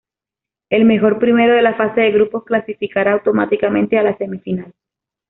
El mejor primero de la fase de grupos clasificará automáticamente a la semifinal.